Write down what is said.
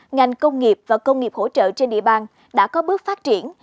ngành công nghiệp và công nghiệp hỗ trợ trên địa bàn đã có bước phát triển